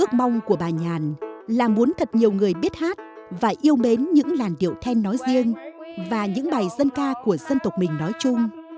ước mong của bà nhàn là muốn thật nhiều người biết hát và yêu mến những làn điệu then nói riêng và những bài dân ca của dân tộc mình nói chung